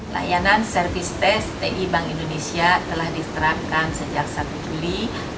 layanan service desk ti bank indonesia telah diserapkan sejak satu juli dua ribu tujuh